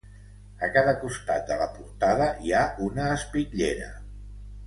A cada costat de la portada hi ha una espitllera.